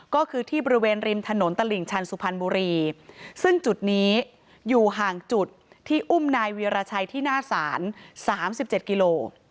ก็คือที่บริเวณริมถนนตลิ่งชันสุพรรณบุรีซึ่งจุดนี้อยู่ห่างจุดที่อุ้มนายวีรชัยที่หน้าศาล๓๗กิโล